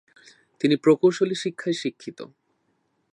তিনি প্রকৌশলী শিক্ষায় শিক্ষিত।